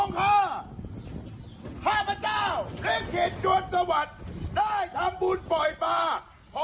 ข้าพเจ้าเรียกกิจจวดสวัสดิ์ได้ทำบุญปล่อยป่า